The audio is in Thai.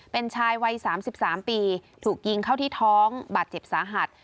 เป็นชายวัย๓๓ปีถูกยิงเข้าที่ท้องบาดเจ็บสาหัส